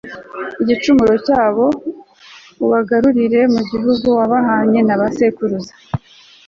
igicumuro cyabo, ubagarurire mu gihugu wabahanye na ba sekuruza